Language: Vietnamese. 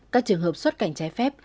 các trường hợp xuất cảnh trái phép